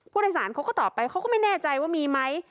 ผู้โดยสารเขาก็ตอบไปเขาก็ไม่แน่ใจว่ามีไหม